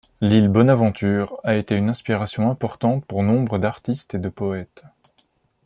L'île Bonaventure a été une inspiration importante pour nombre d'artistes et de poètes.